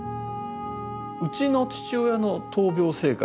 うちの父親の闘病生活